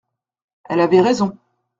Elle avait raison.